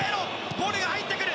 ボールが入ってくる！